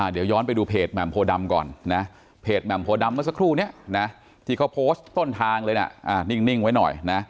เดี๋ยวย้อนไปดูเพจแหม่มโพดำก่อนนะเพจแหม่มโพดำเมื่อสักครู่นี้นะที่เขาโพสต์ต้นทางเลยนะนิ่งไว้หน่อยนะ